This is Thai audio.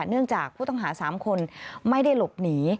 เนื่องจากผู้ต้องหา๓คนไม่ได้หลบหนี